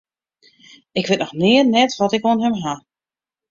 Ik wit noch nea net wat ik oan him haw.